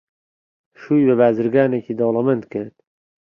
شووی بە بازرگانێکی دەوڵەمەند کرد.